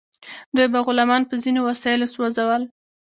دوی به غلامان په ځینو وسایلو سوځول.